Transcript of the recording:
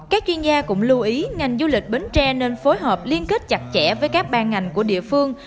các chuyên gia cũng lưu ý ngành du lịch bến tre nên phối hợp liên kết chặt chẽ với các ban ngành của địa phương